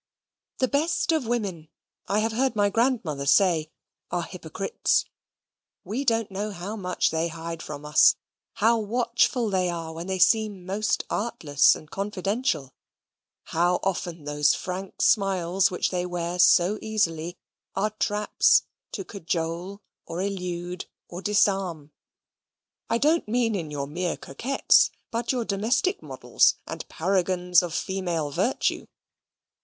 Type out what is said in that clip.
The best of women (I have heard my grandmother say) are hypocrites. We don't know how much they hide from us: how watchful they are when they seem most artless and confidential: how often those frank smiles which they wear so easily, are traps to cajole or elude or disarm I don't mean in your mere coquettes, but your domestic models, and paragons of female virtue.